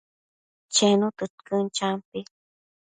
Chenu tëdquën, champi